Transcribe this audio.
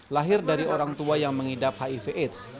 lahir dari orang tua yang mengidap hiv aids